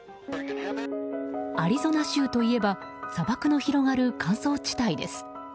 アリゾナ州といえば砂漠の広がる乾燥地帯です。